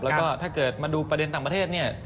แล้วก็ถ้าเกิดมาดูประเด็นต่างประเทศเนี่ย